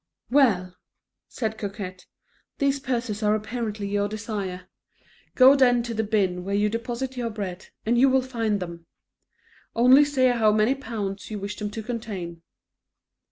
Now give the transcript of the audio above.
"Well," said the Coquette, "these purses are apparently your desire; go then to the bin where you deposit your bread, and you will find them. Only say how many pounds you wish them to contain."